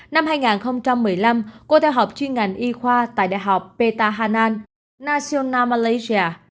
năm hai nghìn một mươi năm cô theo hợp chuyên ngành y khoa tại đại học petahana national malaysia